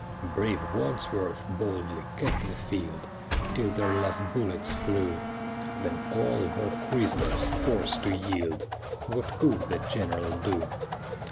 Brave Wadsworth boldly kept the field Till their last bullets flew; Then all were prisoners forced to yield, What could the general do?